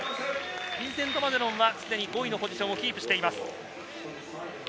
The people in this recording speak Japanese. ビンセント・マゼロンはすでに５位のポジションをキープしています。